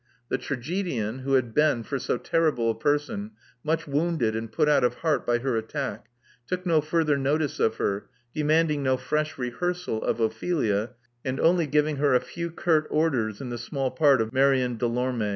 The tragedian, who had been, for so terrible a person, much wounded and put out of heart by her attack, took no further notice of her, demanding no fresh rehearsal of Ophelia, and only giving her a few curt orders in the small part of Marion Delorme.